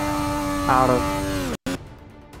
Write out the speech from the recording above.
Ɛreḍ!